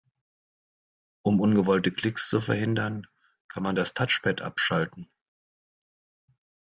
Um ungewollte Klicks zu verhindern, kann man das Touchpad abschalten.